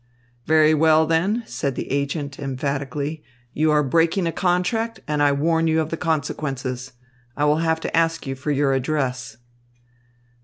"Very well, then," said the agent emphatically, "you are breaking a contract, and I warn you of the consequences. I will have to ask you for your address."